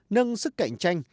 nâng sức cạnh tranh